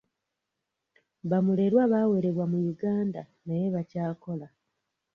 Bamulerwa baawerebwa mu Uganda naye bakyakola.